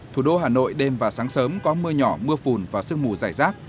phía hà nội đêm và sáng sớm có mưa nhỏ mưa phùn và sương mù dài rác